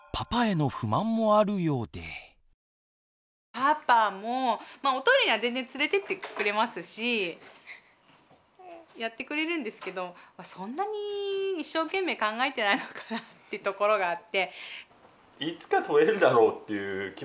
パパもまあおトイレには全然連れていってくれますしやってくれるんですけどそんなに一生懸命考えてないのかなってところがあって。